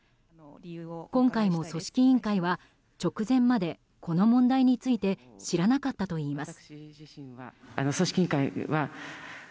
今回も組織委員会は直前まで、この問題について知らなかったといいます。